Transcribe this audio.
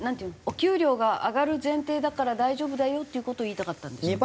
お給料が上がる前提だから大丈夫だよっていう事を言いたかったんですか？